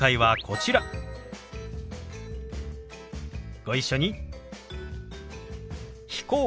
ご一緒に。